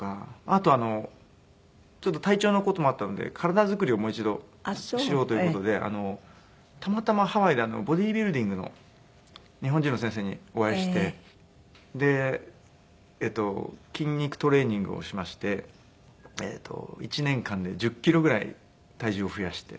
あと体調の事もあったので体作りをもう一度しようという事でたまたまハワイでボディービルディングの日本人の先生にお会いして。で筋肉トレーニングをしまして１年間で１０キロぐらい体重を増やして。